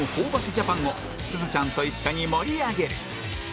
ＪＡＰＡＮ をすずちゃんと一緒に盛り上げる